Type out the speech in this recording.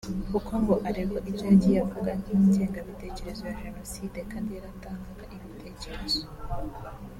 kuko ngo aregwa ibyo yagiye avuga nk’ingengabitekerezo ya Jenoside kandi yaratanganga ibitekerezo